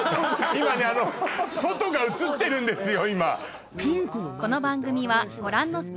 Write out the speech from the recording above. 今ね外が映ってるんですよ。